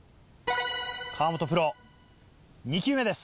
河本プロ２球目です。